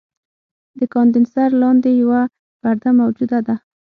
د کاندنسر لاندې یوه پرده موجوده ده.